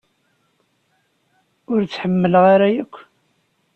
Ur tt-ḥemmleɣ ara akk.